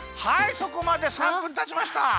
そこまで３分たちました。